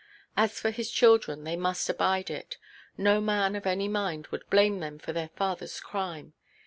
As for his children, they must abide it. No man of any mind would blame them for their fatherʼs crime.